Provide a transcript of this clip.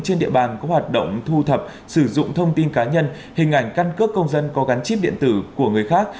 trên địa bàn có hoạt động thu thập sử dụng thông tin cá nhân hình ảnh căn cước công dân có gắn chip điện tử của người khác